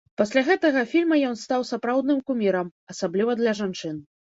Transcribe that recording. Пасля гэтага фільма ён стаў сапраўдным кумірам, асабліва для жанчын.